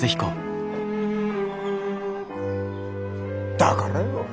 だからよ。